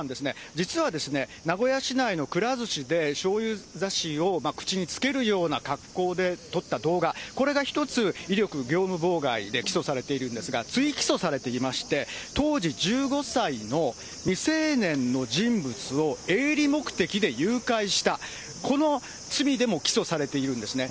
実はですね、名古屋市内のくら寿司でしょうゆ差しを口につけるような格好で撮った動画、これが１つ、威力業務妨害で起訴されているんですが、追起訴されていまして、当時１５歳の未成年の人物を営利目的で誘拐した、この罪でも起訴されているんですね。